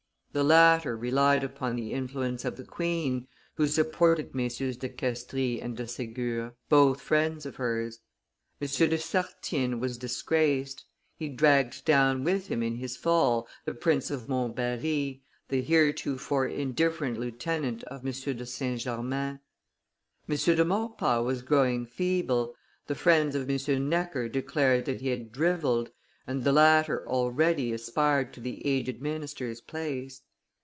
The latter relied upon the influence of the queen, who supported MM. de Castries and de Segur, both friends of hers. M. de Sartines was disgraced; he dragged down with him in his fall the Prince of Montbarrey, the heretofore indifferent lieutenant of M. de Saint Germain. M. de Maurepas was growing feeble, the friends of M. Necker declared that he drivelled, and the latter already aspired to the aged minister's place.